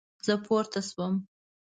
زه پورته شوم